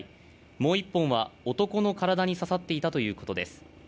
もう１本は男の体に刺さっていたということです